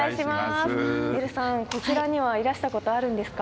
ねるさんこちらにはいらしたことあるんですか？